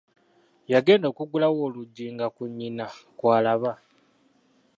Yagenda okugulawo oluggi nga ku nnyina kw'alaba.